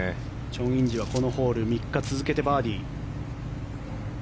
チョン・インジはこのホール３日続けてバーディー。